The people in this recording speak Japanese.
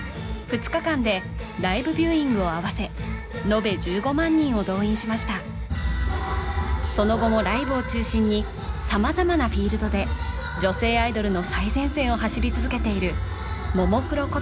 ２日間でライブビューイングを合わせ延べ１５万人を動員しましたその後もライブを中心に様々なフィールドで女性アイドルの最前線を走り続けているももクロ